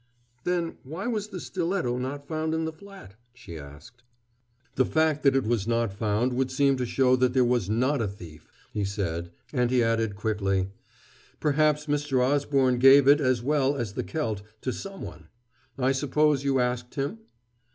"Then, why was the stiletto not found in the flat?" she asked. "The fact that it was not found would seem to show that there was not a thief," he said; and he added quickly: "Perhaps Mr. Osborne gave it, as well as the celt, to someone. I suppose you asked him?"